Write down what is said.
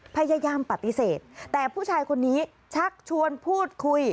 พยายามปฏิเสธแต่ผู้ชายคนนี้ชักชวนพูดคุย